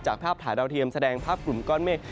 ภาพถ่ายดาวเทียมแสดงภาพกลุ่มก้อนเมฆ